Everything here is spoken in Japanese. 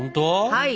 はい。